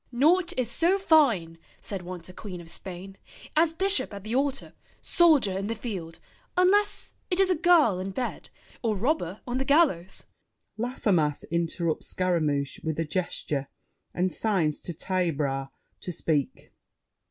"'Naught is so fine,' said once a Queen of Spain, 'As bishop at the altar, soldier in The field, unless it is a girl in bed, Or robber on the gallows—'" [Laffemas interrupts Scaramouche with a gesture and signs to Taillebras to speak.